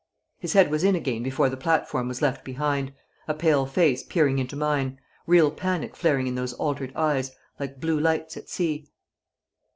His head was in again before the platform was left behind, a pale face peering into mine, real panic flaring in those altered eyes, like blue lights at sea.